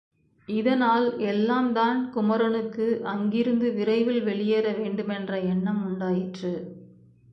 இதனால் எல்லாம்தான் குமரனுக்கு அங்கிருந்து விரைவில் வெளியேற வேண்டுமென்ற எண்ணம் உண்டாயிற்று.